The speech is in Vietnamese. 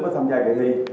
và tất cả thí sinh